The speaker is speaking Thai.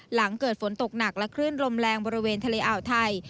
หลังเกิดฝนตกหนักและคลื่นลมแรงบริเวณทะเลอ่าวไทย